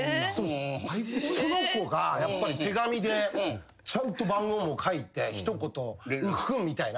その子がやっぱり手紙でちゃんと番号も書いて一言うっふんみたいな。